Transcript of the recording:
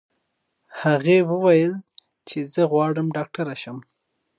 هغې وویل چې زه غواړم ډاکټره شم.